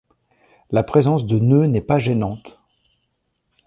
La présence de nœuds n'est pas gênante.